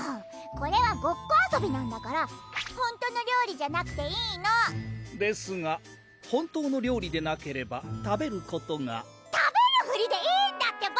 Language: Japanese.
これはごっこ遊びなんだからほんとの料理じゃなくていいの！ですが本当の料理でなければ食べることが食べるふりでいいんだってば！